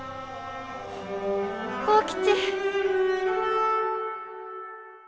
幸吉！